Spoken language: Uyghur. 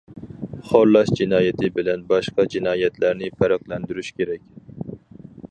خورلاش جىنايىتى بىلەن باشقا جىنايەتلەرنى پەرقلەندۈرۈش كېرەك.